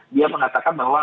dia mengatakan bahwa